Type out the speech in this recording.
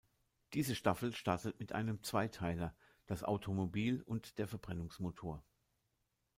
Diese Staffel startet mit einem Zweiteiler: das Automobil und der Verbrennungsmotor.